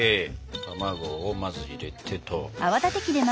卵をまず入れてと。